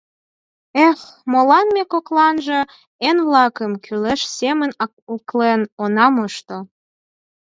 Эх, молан ме кокланже еҥ-влакым кӱлеш семын аклен она мошто?